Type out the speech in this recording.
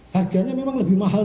harganya memang lebih mahal